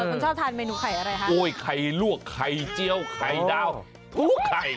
คุณชอบทานเมนูไข่อะไรฮะโอ้ยไข่ลวกไข่เจี๊ยวไข่ดาวทู้ไข่